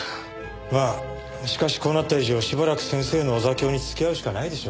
まあしかしこうなった以上しばらく先生のお座興に付き合うしかないでしょう。